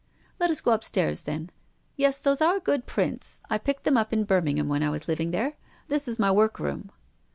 "Let us go upstairs then. Yes, those are good prints. I picked them up in Birmingham when I was living there. This is my workroom."